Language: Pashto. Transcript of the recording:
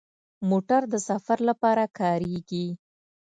موټر د سفر لپاره کارېږي.